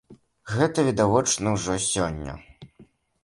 Гэта відавочна ўжо сёння!